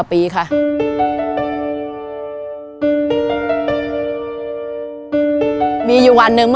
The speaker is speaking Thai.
มันจะมาชีวิตตั้งแต่วันนั้นมา